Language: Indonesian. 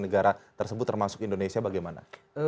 negara tersebut termasuk indonesia bagaimana